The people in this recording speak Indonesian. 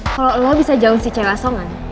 kalau lo bisa jauhin si cewek asongan